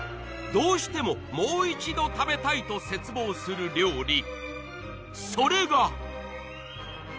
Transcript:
どうしてももう一度食べたいと切望する料理